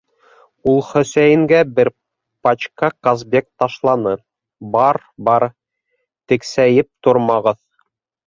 - Ул Хөсәйенгә бер пачка «Казбек» ташланы - Бар, бар, тексәйеп тормағыҙ!